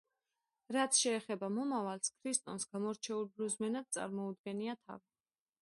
რაც შეეხება მომავალს, ქრისტონს გამოჩენილ ბლუზმენად წარმოუდგენია თავი.